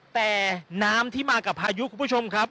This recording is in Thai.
แต่น้ำที่มากับพายุคุณผู้ชมครับ